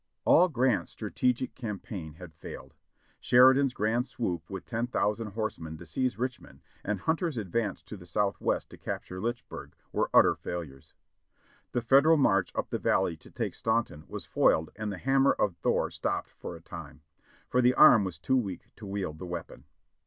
" All Grant's strategic campaign had failed. Sheridan's grand swoop with ten thousand horsemen to seize Richmond, and Hun ter's advance to the southwest to capture Lynchburg, were utter failures. The Federal march up the Valley to take Staunton was foiled and the hammer of Thor stopped for a time, for the arm was too weak to wield the weapon.